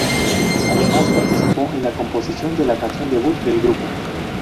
Además, participó en la composición de la canción debut del grupo.